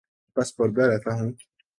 پس پردہ رہتا ہوں